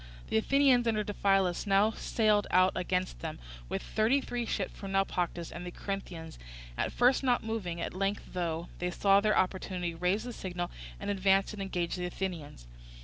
The Athenians under Diphilus now sailed out against them with thirty three ships from Naupactus, and the Corinthians, at first not moving, at length thought they saw their opportunity, raised the signal, and advanced and engaged the Athenians.